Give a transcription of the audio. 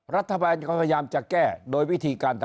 รัฐบาลก็พยายามจะแก้โดยวิธีการทำ